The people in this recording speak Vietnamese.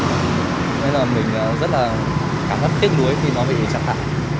nên là mình rất là cảm giác tiếc nuối vì nó bị chặt hại